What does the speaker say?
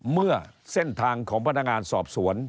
เมื่อเส้นทางของพนักงานสอบสวน